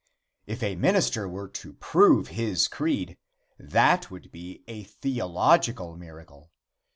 If a minister were to prove his creed, that would be a theological miracle.